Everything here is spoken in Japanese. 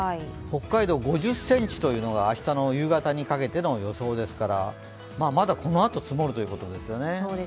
北海道、５０ｃｍというのが明日の夕方にかけての予想ですからまだこのあと積もるということですよね。